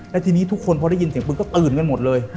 แล้วทีนี้ทุกคนพอได้ยินเสียงปืนก็ตื่นกันหมดเลย